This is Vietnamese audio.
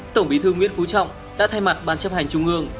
tổng bí thư nguyễn phú trọng đã thay mặt ban chấp hành trung ương